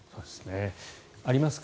ありますか？